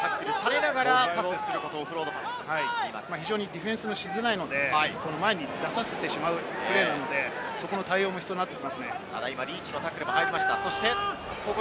ディフェンスがしづらいので、前に出させてしまうというところなんで、そこの対応も必要になってきますね。